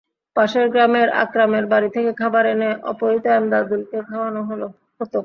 পাশের গ্রামের আকরামের বাড়ি থেকে খাবার এনে অপহৃত এমদাদুলকে খাওয়ানো হতো।